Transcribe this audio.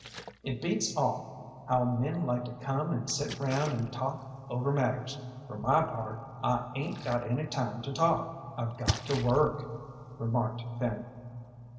"It beats all how men like to come and sit round and talk over matters; for my part, I 'ain't got any time to talk; I've got to work," remarked Fanny.